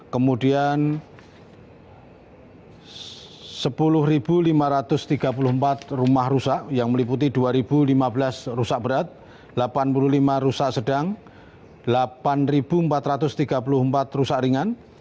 kemudian sepuluh lima ratus tiga puluh empat rumah rusak yang meliputi dua lima belas rusak berat delapan puluh lima rusak sedang delapan empat ratus tiga puluh empat rusak ringan